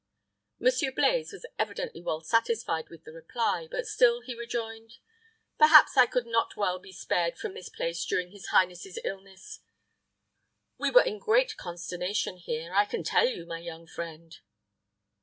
Monsieur Blaize was evidently well satisfied with the reply; but still he rejoined, "Perhaps I could not well be spared from this place during his highness's illness. We were in great consternation here, I can tell you, my young friend."